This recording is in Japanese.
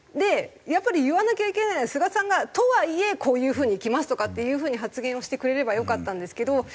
やっぱり言わなきゃいけないのは菅さんが「とはいえこういう風にいきます」とかっていう風に発言をしてくれればよかったんですけど。